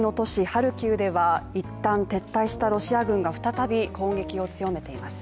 ハルキウでは、一旦撤退したロシア軍が、再び砲撃を強めています。